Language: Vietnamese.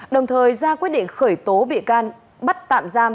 đồng thời ra quyết định khởi tố bị can bắt tạm giam